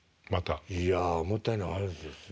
いやもったいない話ですね。